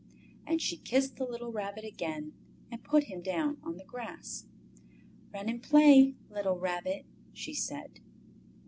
And she kissed the little Rabbit again and put him down on the grass. "Run and play, little Rabbit!" she said.